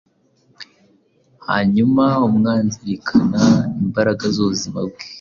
hanyuma umwanziyirukana imbaraga zubuzima bwe